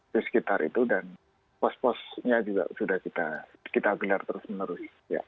di sekitar itu dan pos posnya juga sudah kita gelar terus menerus